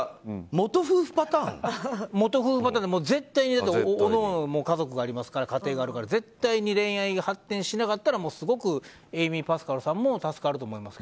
元夫婦パターンで絶対におのおのに家族がありますから絶対に恋愛に発展しなかったらエイミー・パスカルさんも助かると思いますよ。